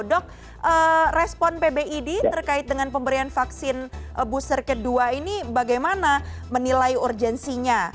dok respon pbid terkait dengan pemberian vaksin booster kedua ini bagaimana menilai urgensinya